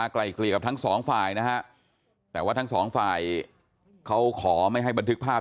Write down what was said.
ไกลเกลี่ยกับทั้งสองฝ่ายนะฮะแต่ว่าทั้งสองฝ่ายเขาขอไม่ให้บันทึกภาพ